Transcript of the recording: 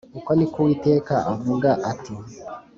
Uku ni ko Uwiteka avuga ati